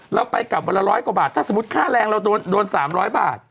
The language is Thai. เราไปกลับวันละ๑๐๐กว่าบาทถ้าสมมุติค่าแรงเราโดน๓๐๐บาท